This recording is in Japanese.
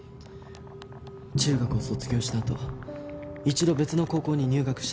中学を卒業したあと一度別の高校に入学したんだ。